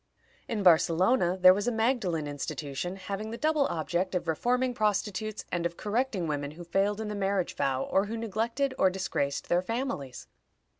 In Barcelona there was a Magdalen institution, having the double object of reforming prostitutes and of correcting women who failed in the marriage vow, or who neglected or disgraced their families.